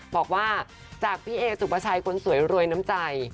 บอกว่าจากพี่เอสุปชัยคนสวยรวยน้ำใจ